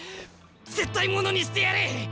絶対ものにしてやる！